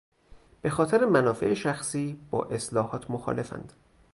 به خاطر منافع شخصی با اصلاحات مخالفند.